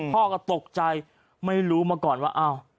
พ่อก็ตกใจไม่รู้มาก่อนว่าอ้าว